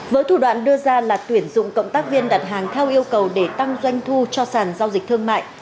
với thủ đoạn đưa ra là tuyển dụng cộng tác viên đặt hàng theo yêu cầu để tăng doanh thu cho sản giao dịch thương mại